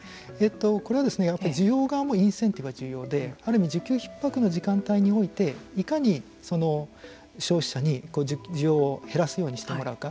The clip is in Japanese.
これは需要がインセンティブが重要である意味需給ひっ迫の時間帯においていかに消費者に需要を減らすようにしてもらうか。